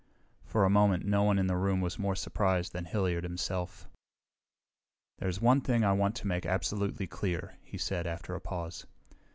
For a moment no one in the room was more surprised than Hilliard himself. "There's one thing I want to make absolutely clear," he said after a pause.